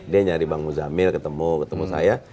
dia nyari bang muzamil ketemu ketemu saya